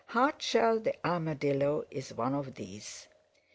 Hardshell the Armadillo is one of these.